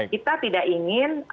kita tidak ingin